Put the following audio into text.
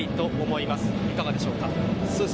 いかがでしょうか。